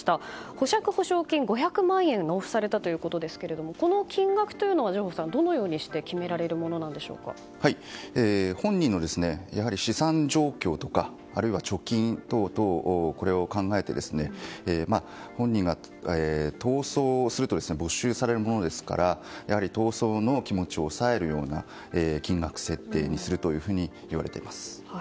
保釈保証金５００万円が納付されたということですがこの金額というのは上法さんどういうふうにして本人の資産状況とか貯金等々これを考えて、本人が逃走すると没収されるものなのでやはり逃走の気持ちを抑えるような金額設定にするというふうにいわれています。